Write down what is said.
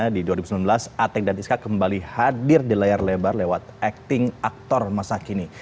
di dua ribu sembilan belas ateng dan iska kembali hadir di layar lebar lewat acting aktor masa kini